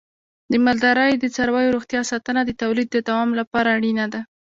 د مالدارۍ د څارویو روغتیا ساتنه د تولید د دوام لپاره اړینه ده.